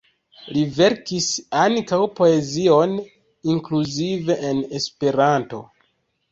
Li verkis ankaŭ poezion, inkluzive en Esperanto.